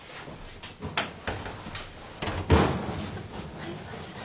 入れます？